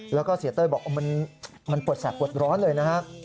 แล้วก็เศรษฐ์เต้ยบอกมันปวดแสบปวดร้อนเลยนะครับ